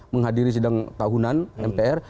menghadiri sidang tahunan mpr